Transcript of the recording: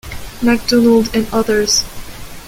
MacDonald and others.